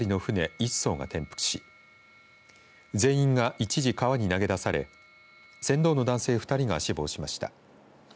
１そうが転覆し全員が一時、川に投げ出され船頭の男性２人が死亡しました。